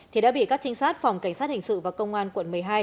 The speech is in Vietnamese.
thì đã bị các trinh sát phòng cảnh sát hình sự và công an quận một mươi hai